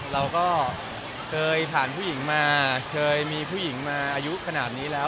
เราก็เคยผ่านผู้หญิงมาเคยมีผู้หญิงมาอายุขนาดนี้แล้ว